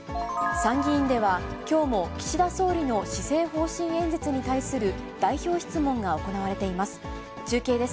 参議院では、きょうも岸田総理の施政方針演説に対する代表質問が行われています。